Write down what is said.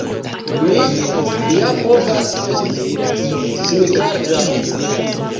Mi ja povas esti singarda!